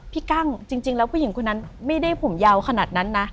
กั้งจริงแล้วผู้หญิงคนนั้นไม่ได้ผมยาวขนาดนั้นนะ